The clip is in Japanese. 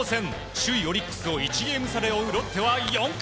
首位オリックスを１ゲーム差で追うロッテは４回。